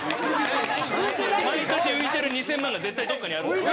毎年浮いてる２０００万が絶対どこかにあるんですよ。